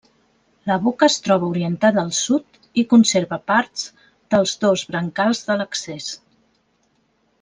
La boca es troba orientada al sud i conserva parts dels dos brancals de l'accés.